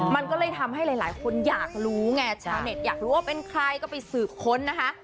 มันก็เลยทำให้หลายคนอยากรู้ไงชาวเน็ตอยากรู้ว่าเป็นใครก็ไปสืบค้นนะคะ